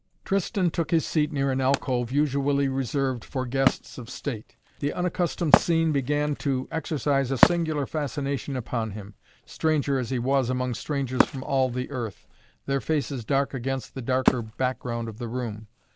Tristan took his seat near an alcove usually reserved for guests of state. The unaccustomed scene began to exercise a singular fascination upon him, stranger as he was among strangers from all the earth, their faces dark against the darker background of the room.